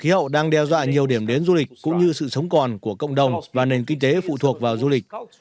khí hậu đang đe dọa nhiều điểm đến du lịch cũng như sự sống còn của cộng đồng và nền kinh tế phụ thuộc vào du lịch